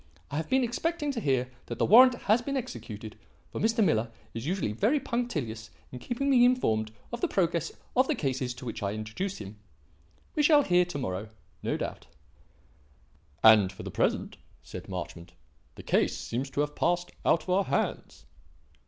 I have been expecting to hear that the warrant has been executed, for Mr. Miller is usually very punctilious in keeping me informed of the progress of the cases to which I introduce him. We shall hear to morrow, no doubt." "And, for the present," said Marchmont, "the case seems to have passed out of our hands."